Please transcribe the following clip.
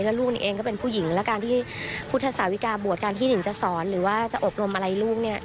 แล้วลูกหนิงเองก็เป็นผู้หญิงและการพุทธศาวิกาบวชอบราคานนะครับ